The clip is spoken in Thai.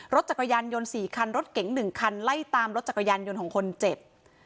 รถจักรยานยนต์๔คันรถเก๋ง๑คันไล่ตามรถจักรยานยนต์ของคนเจ็บ